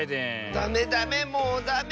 ダメダメもうダメ。